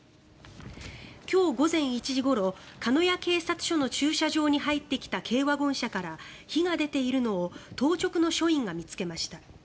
今日午前１時ごろ鹿屋警察署の駐車場に入ってきた軽ワゴン車から火が出ているのを当直の署員が見つけました。